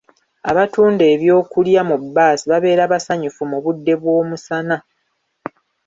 Abatunda ebyokulwa mu bbaasi babeera basanyufu mu budde bw’omusana.